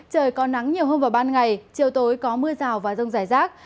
trời có nắng nhiều hơn vào ban ngày chiều tối có mưa rào và rông rải rác